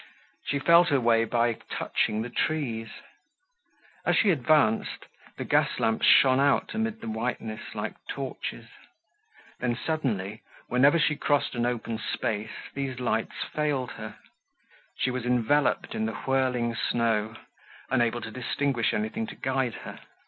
She felt her way by touching the trees. As she advanced the gas lamps shone out amidst the whiteness like torches. Then, suddenly, whenever she crossed an open space, these lights failed her; she was enveloped in the whirling snow, unable to distinguish anything to guide her.